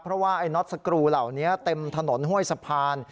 เพราะว่าไอ้น็อตสกรูเหล่านี้เต็มถนนห้วยสะพาน